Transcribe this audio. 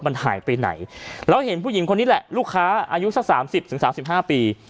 มันหายไปไหนแล้วเห็นผู้หญิงคนนี้แหละลูกค้าอายุสักสามสิบถึงสามสิบห้าปี